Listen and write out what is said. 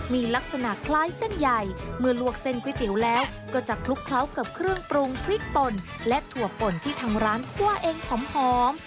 มีลักษณะคล้ายเส้นใหญ่เมื่อลวกเส้นก๋วยเตี๋ยวแล้วก็จะคลุกเคล้ากับเครื่องปรุงพริกป่นและถั่วป่นที่ทางร้านคั่วเองหอม